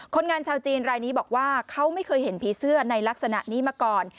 คนงานชาวจีนรายนี้บอกว่าเขาไม่เคยเห็นผีเสื้อในลักษณะนี้มาก่อน